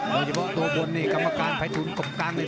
โดยเฉพาะตัวบนภัยทูลกบกำลัง